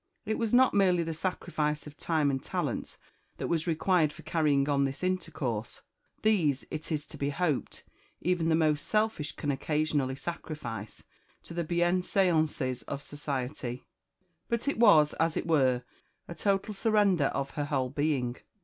It wa not merely the sacrifice of time and talents that was required for carrying on this intercourse; these, it is to be hoped, even the most selfish can occasionally sacrifice to the bienseances of society; but it was, as it were, a total surrender of her whole being.